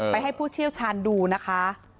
ให้ผู้เชี่ยวชาญดูนะคะ